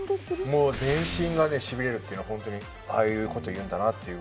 もう全身がね痺れるっていうのは本当にああいう事を言うんだなっていうぐらい。